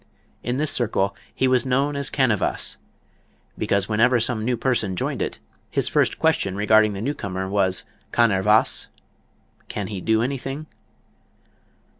In this circle he was known as "Canevas," because whenever some new person joined it, his first question regarding the newcomer was "Kann er wass?" (Can he do anything?)